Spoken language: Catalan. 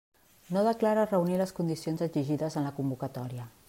No declara reunir les condicions exigides en la convocatòria.